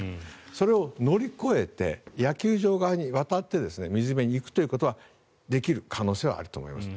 それを乗り越えて野球場側に渡って水辺に行くということはできる可能性はあると思います。